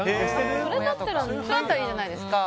だったらいいじゃないですか。